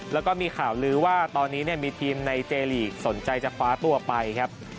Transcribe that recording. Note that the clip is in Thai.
แล้วก็มีข่าวลื้อว่าตอนนี้มีทีมในเจลีกสนใจจะคว้าตัวไปครับ